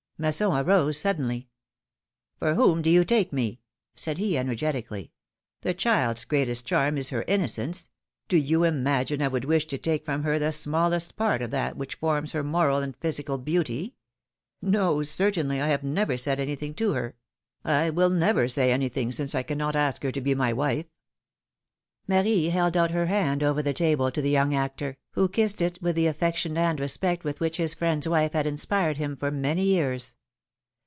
^^ Masson arose suddenly. ^^For whom do you take me?'^ said he, energetically. That child's greatest charm is her innocence ; do you imagine I would wish to take from her the smallest part of that which forms her moral and physical beauty ? No, certainly, I have never said anything to her; I will never say anything since I cannot ask her to be my wife." Marie held out her hand over the table to the young 182 PHILOMi:NE's MARRIAGES. actor, who kissed it with the affection and respect with which his friend's wife had inspired him for many years.